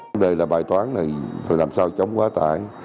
vấn đề là bài toán này phải làm sao chống quá tải